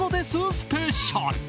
スペシャル！